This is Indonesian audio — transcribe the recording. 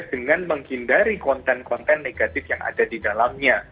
dengan menghindari konten konten negatif yang ada di dalamnya